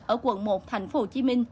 ở quận một thành phố hồ chí minh